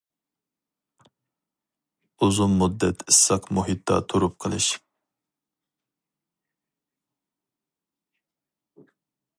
ئۇزۇن مۇددەت ئىسسىق مۇھىتتا تۇرۇپ قېلىش.